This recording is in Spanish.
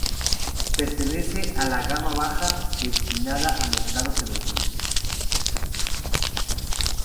Pertenece a la gama baja, destinada a mercados emergentes.